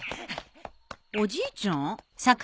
おじいちゃん？